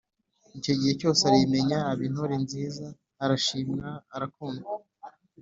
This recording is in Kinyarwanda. icyo gihe yose arayimenya Aba intore nziza arashimwa arakundwa